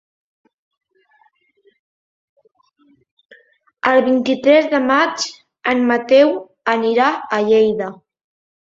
El vint-i-tres de maig en Mateu anirà a Lleida.